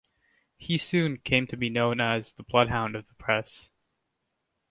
He soon came to be known as the Bloodhound of the Press.